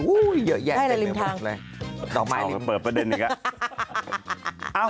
โอ้โฮเยอะแยะจังแบบนี้บอกเลยดอกไม้ริมทางเราก็เปิดประเด็นอีกนะ